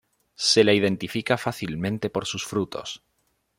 Se la identifica fácilmente por sus frutos.